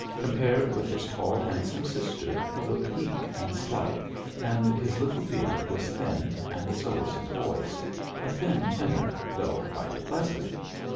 Compared with his tall, handsome sister he looked weak and slight, and his little beard was thin and so was his voice a thin tenor, though quite pleasant.